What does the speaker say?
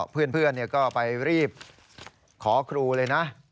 เพื่อนก็ไปรีบขอครูเลยนะ